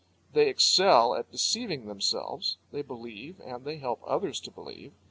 They excel at deceiving themselves. They believe, and they help others to believe.